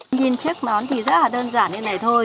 nhìn chiếc nón thì rất là đơn giản như này thôi